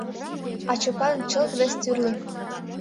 А Чопан чылт вес тӱрлӧ.